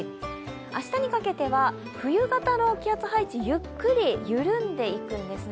明日にかけては冬型の気圧配置、ゆっくり緩んでいくんですね。